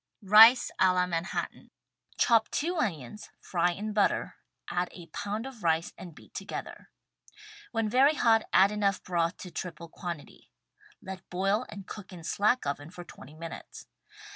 RICE A LA MANHATTAN Chop two onions — fry in butter, add a pound of rice and beat together. When very hot, add enough broth to triple quantity — let boil and cook in slack oven for 20 minutes.